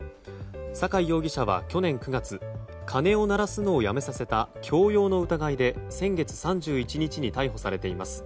酒井容疑者は去年９月鐘を鳴らすのをやめさせた強要の疑いで先月３１日に逮捕されています。